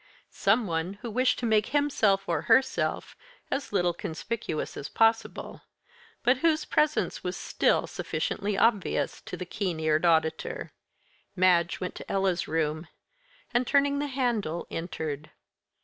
Someone who wished to make himself or herself as little conspicuous as possible; but whose presence was still sufficiently obvious to the keen eared auditor. Madge went to Ella's room, and, turning the handle, entered.